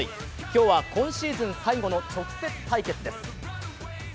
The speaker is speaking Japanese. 今日は今シーズン最後の直接対決です。